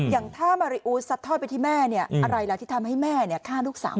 อย่างถ้ามาริอูสซัดทอดไปที่แม่อะไรล่ะที่ทำให้แม่ฆ่าลูกสาว